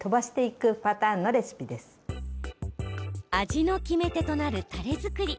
味の決め手となる、たれ作り。